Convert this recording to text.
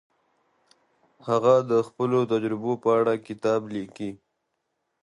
هغه د خپلو تجربو په اړه کتاب لیکلی.